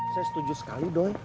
saya setuju sekali doi